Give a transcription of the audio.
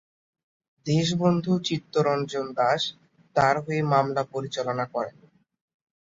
দেশবন্ধু চিত্তরঞ্জন দাশ তার হয়ে মামলা পরিচালনা করেন।